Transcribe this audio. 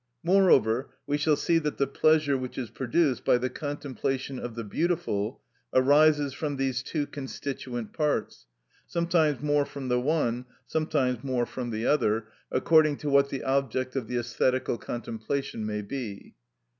Moreover, we shall see that the pleasure which is produced by the contemplation of the beautiful arises from these two constituent parts, sometimes more from the one, sometimes more from the other, according to what the object of the æsthetical contemplation may be.